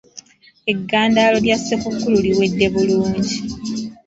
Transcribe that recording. Eggandaalo lya Ssekukkulu liwedde bulungi.